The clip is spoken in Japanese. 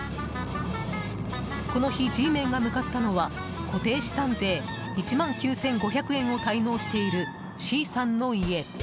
この日、Ｇメンが向かったのは固定資産税１万９５００円を滞納しているＣさんの家。